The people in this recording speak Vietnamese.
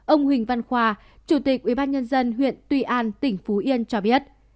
ông huỳnh văn hòa chủ tịch ubnd huyện tuy an tỉnh phú yên cho biết